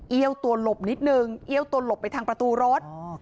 ตัวหลบนิดนึงเอี้ยวตัวหลบไปทางประตูรถ